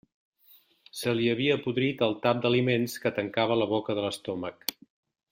Se li havia podrit el tap d'aliments que tancava la boca de l'estómac.